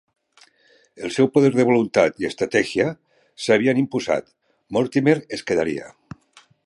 El seu poder de voluntat i estratègia s'havien imposat: Mortimer es quedaria.